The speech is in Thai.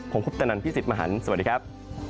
ผมคุปตนันพี่สิทธิ์มหันฯสวัสดีครับ